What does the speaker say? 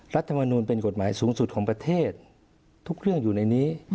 รัฐมนูลเป็นกฎหมายสูงสุดของประเทศทุกเรื่องอยู่ในนี้